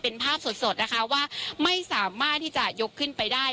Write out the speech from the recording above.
เป็นภาพสดนะคะว่าไม่สามารถที่จะยกขึ้นไปได้